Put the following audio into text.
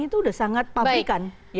itu sudah sangat pabrikan